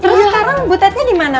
terus sekarang putetnya dimana